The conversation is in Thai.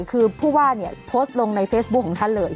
คือพูดว่าโพสต์ลงในเฟซบูลของท่านเลย